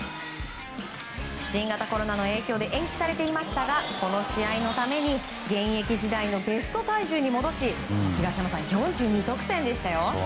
新型コロナの影響で延期されていましたがこの試合のために現役時代のベスト体重に戻し東山さん、４２得点でしたよ。